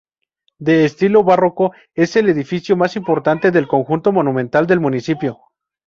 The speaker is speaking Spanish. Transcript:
De estilo barroco, es el edificio más importante del conjunto monumental del municipio.